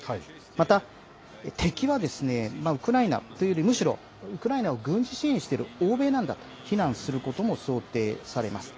また敵はウクライナというよりむしろウクライナを軍事支援している欧米なんだと非難することも想定されます。